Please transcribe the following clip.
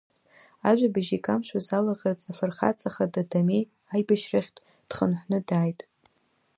Ажәабжь Икамшәаз алаӷырӡ афырхаҵа хада Дамеи аибашьрахьтә дхынҳәны дааит.